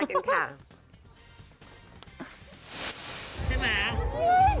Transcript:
ใช่ไหม